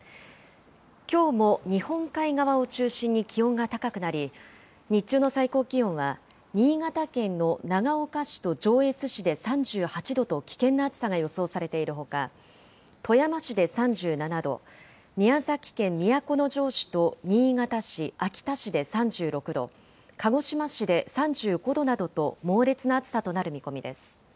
きょうも日本海側を中心に気温が高くなり、日中の最高気温は、新潟県の長岡市と上越市で３８度と危険な暑さが予想されているほか、富山市で３７度、宮崎県都城市と新潟市、秋田市で３６度、鹿児島市で３５度などと猛烈な暑さとなる見込みです。